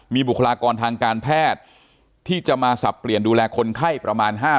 มีบุคลากรทางการแพทย์ที่จะมาสับเปลี่ยนดูแลคนไข้ประมาณ๕๐